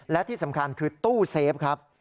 และที่สำคัญคือตู้เซฟครับ